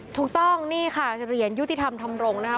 ถูกต้องนี่ค่ะเรียนยุติธรรมธรรมรงค์นะครับ